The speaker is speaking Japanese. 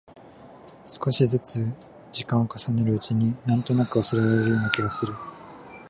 少しづつ時間を重ねるうちに、なんとなく忘れられそうな気がする。